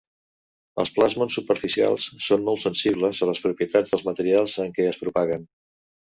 Els plasmons superficials són molt sensibles a les propietats dels materials en què es propaguen.